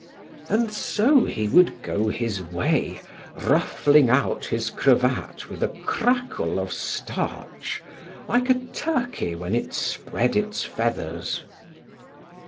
And so he would go his way, ruffling out his cravat with a crackle of starch, like a turkey when it spread its feathers.